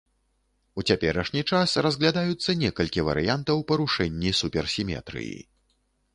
У цяперашні час разглядаюцца некалькі варыянтаў парушэнні суперсіметрыі.